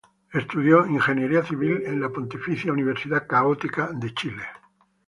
Estudió ingeniería Civil en la Pontificia Universidad Católica de Chile.